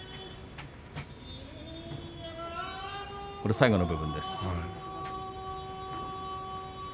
最後の部分です。